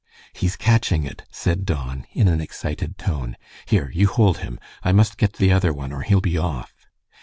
"He's catching it," said Don, in an excited tone. "Here, you hold him. I must get the other one, or he'll be off."